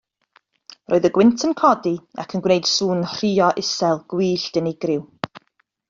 Roedd y gwynt yn codi ac yn gwneud sŵn rhuo isel, gwyllt, unigryw.